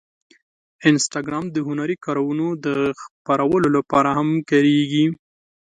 انسټاګرام د هنري کارونو د خپرولو لپاره هم کارېږي.